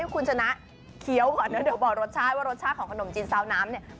คุณชนะเคี้ยวก่อนนะเดี๋ยวบอกรสชาติว่ารสชาติของขนมจีนซาวน้ำเนี่ย